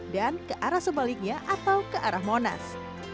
dan ke arah sebaliknya atau ke arah monas